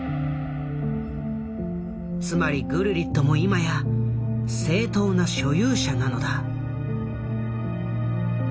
つまりグルリットも今や正当な所有者なのだ。